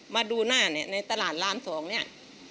มาดูหน้าเนี่ยในตลาดราม๒เนี่ย